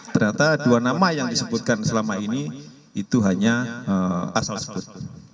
ternyata dua nama yang disebutkan selama ini itu hanya asal sebut